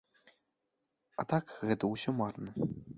А так, гэта ўсё марна.